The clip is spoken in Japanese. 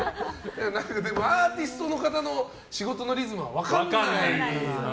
アーティストの方の仕事のリズムは分からないから。